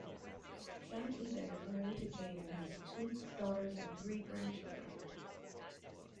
Sam Egan is married to Jane and has two daughters and three grandchildren.